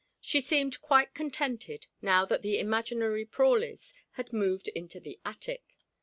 She seemed quite contented, now that the imaginary Prawleys had moved into the attic.